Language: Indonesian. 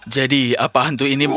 jadi apa hantu ini meng